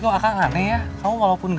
celaap skulle mau di taikung